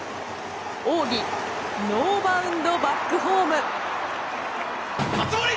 奥義ノーバウンドバックホーム。